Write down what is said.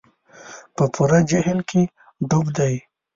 په پوره جهل کې ډوب دي.